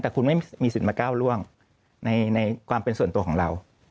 แต่คุณไม่มีสิทธิ์มาก้าวร่วงในความเป็นส่วนตัวของเรา